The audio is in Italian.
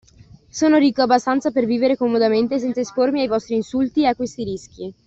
Sono ricco abbastanza per vivere comodamente, senza espormi ai vostri insulti e a questi rischi.